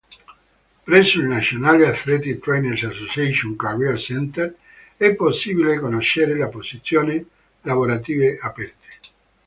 Presso il "National Athletic Trainers'Association Career Center" è possibile conoscere le posizioni lavorative aperte.